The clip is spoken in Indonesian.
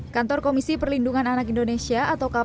kantor komisi perlindungan anak indonesia